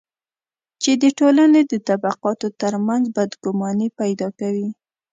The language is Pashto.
چې د ټولنې د طبقاتو ترمنځ بدګماني پیدا کوي.